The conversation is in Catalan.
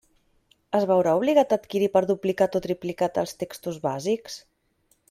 Es veurà obligat a adquirir per duplicat o triplicat els textos bàsics?